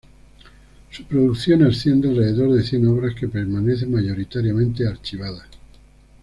Su producción asciende alrededor de cien obras que permanece mayoritariamente archivada.